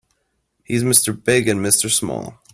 He's Mr. Big and Mr. Small.